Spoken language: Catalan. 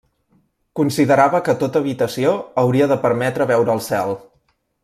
Considerava que tota habitació hauria de permetre veure el cel.